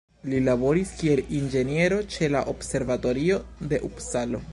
Li laboris kiel inĝeniero ĉe la Observatorio de Upsalo.